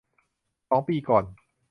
สองปีก่อน